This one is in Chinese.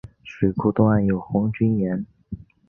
水库东岸有红军岩。